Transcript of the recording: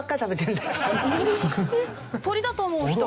鶏だと思う人？